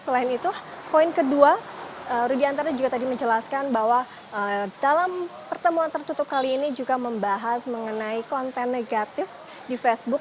selain itu poin kedua rudiantara juga tadi menjelaskan bahwa dalam pertemuan tertutup kali ini juga membahas mengenai konten negatif di facebook